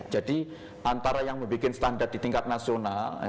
jadi antara yang membuat standar di tingkat nasional